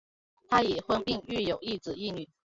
他已婚并育有一子一女。